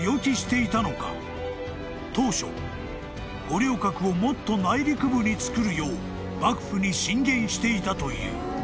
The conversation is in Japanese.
［当初五稜郭をもっと内陸部に造るよう幕府に進言していたという］